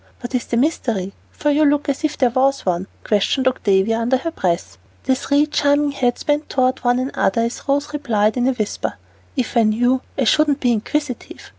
What is the mystery? For you look as if there was one," questioned Octavia under her breath. The three charming heads bent toward one another as Rose replied in a whisper, "If I knew, I shouldn't be inquisitive.